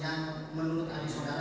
yang menurut adik saudara